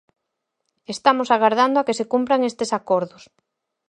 Estamos agardando a que se cumpran estes acordos.